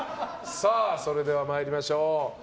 それでは参りましょう。